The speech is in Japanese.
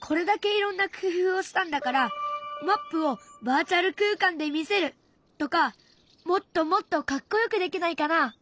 これだけいろんな工夫をしたんだからマップをバーチャル空間で見せるとかもっともっとかっこよくできないかな？